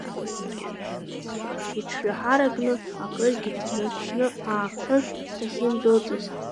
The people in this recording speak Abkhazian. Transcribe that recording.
Иҽҩаҳаракны акыргьы даанаԥшы-ааԥшит дахьындәылҵыз.